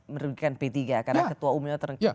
merugikan p tiga karena ketua umumnya terenggak